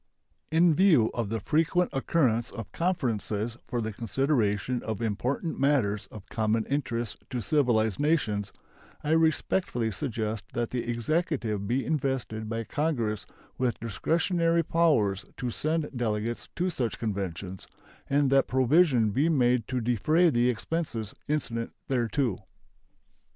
In view of the frequent occurrence of conferences for the consideration of important matters of common interest to civilized nations, I respectfully suggest that the Executive be invested by Congress with discretionary powers to send delegates to such conventions, and that provision be made to defray the expenses incident thereto.